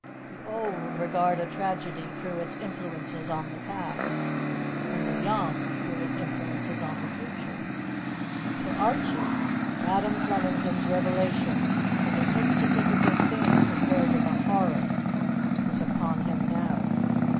The old regard a tragedy through its influences on the past, and the young through its influences on the future. To Archie, Madam Flemington's revelation was an insignificant thing compared to the horror that was upon him now.